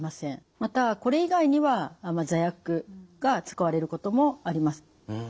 またこれ以外には座薬が使われることもあります。